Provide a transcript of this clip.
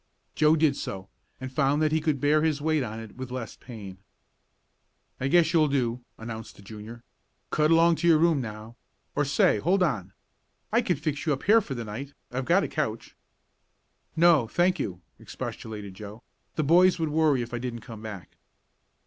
Joe did so, and found that he could bear his weight on it with less pain. "I guess you'll do," announced the Junior. "Cut along to your room now or say hold on, I can fix you up here for the night. I've got a couch " "No, thank you," expostulated Joe. "The boys would worry if I didn't come back."